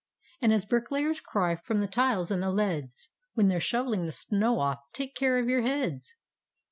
And, as bricklayers cry from the tiles and the leads When they're shovelling the snow off, " take care OF YOUR heads"!